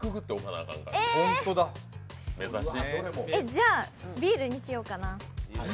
じゃあビールにしようかな。